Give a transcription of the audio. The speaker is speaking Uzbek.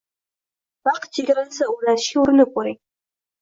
“Vaqt chegarasi” o‘rnatishga urinib ko‘ring: